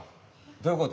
どういうこと？